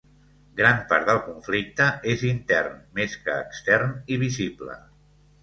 Gran part del conflicte és intern, més que extern i visible.